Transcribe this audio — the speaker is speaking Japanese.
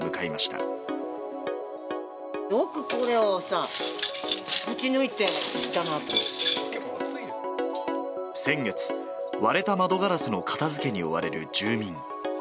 よくこれをさ、先月、割れた窓ガラスの片づけに追われる住民。